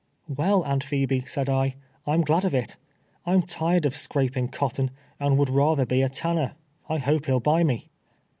" "Well, Aunt Phebe," said I, " Fm glad of it. Pm tired of scraping cotton, and would rather be a tanner. I hope he'll buy me."